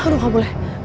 aduh gak boleh